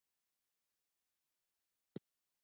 د سټرابیري کښت مخ په ډیریدو دی.